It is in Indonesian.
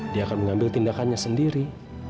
dia akan mengambil tindakannya sendiri